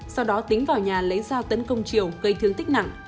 sau đó tính vào nhà lấy dao tấn công triều gây thương tích nặng